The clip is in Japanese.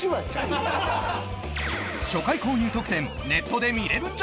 初回購入特典ネットで見れるんじゃ！！